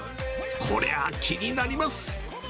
こりゃー、気になります。